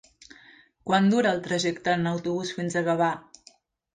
Quant dura el trajecte en autobús fins a Gavà?